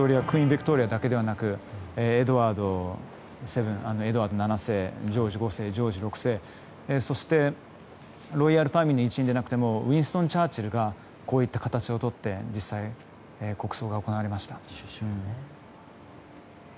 ビクトリアだけでなくエドワード７世ジョージ５世、ジョージ６世そして、ロイヤルファミリーの一員じゃなくてもウィンストン・チャーチルがこういった形をとって実際国葬が行われました。